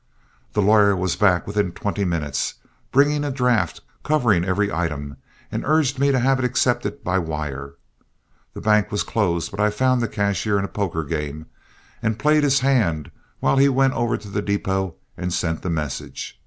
The lawyer was back within twenty minutes, bringing a draft, covering every item, and urged me to have it accepted by wire. The bank was closed, but I found the cashier in a poker game and played his hand while he went over to the depot and sent the message.